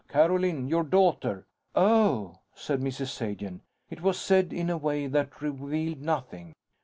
Carolyn, your daughter." "Oh," said Mrs. Sagen. It was said in a way that revealed nothing.